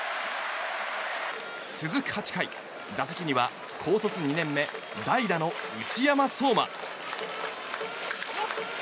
続く８回、打席には高卒２年目代打の内山壮真。